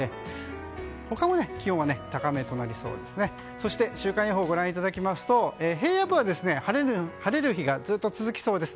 そして週間予報をご覧いただきますと平野部は晴れる日がずっと続きそうです。